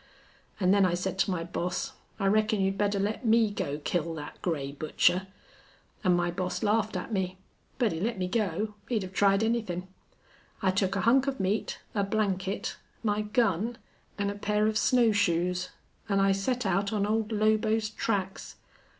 An' then I said to my boss, 'I reckon you'd better let me go kill that gray butcher.' An' my boss laughed at me. But he let me go. He'd have tried anythin'. I took a hunk of meat, a blanket, my gun, an' a pair of snow shoes, an' I set out on old Lobo's tracks....